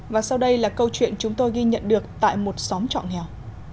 và sau đây là câu chuyện chúng tôi ghi nhận được tại một xóm trọ nghèo